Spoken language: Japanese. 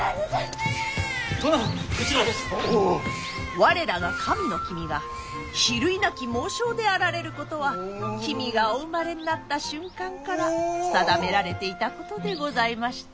我らが神の君が比類なき猛将であられることは君がお生まれになった瞬間から定められていたことでございまして。